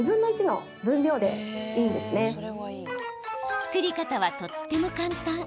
作り方は、とっても簡単。